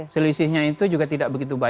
selisihnya itu juga tidak begitu baik